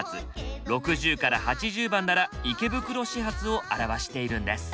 ６０８０番なら池袋始発を表しているんです。